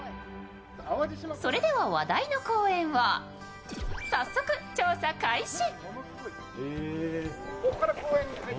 それでは、話題の公園を早速調査開始。